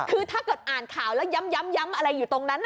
คือถ้าเกิดอ่านข่าวแล้วย้ำอะไรอยู่ตรงนั้น